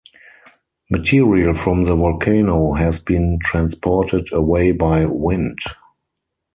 Material from the volcano has been transported away by wind.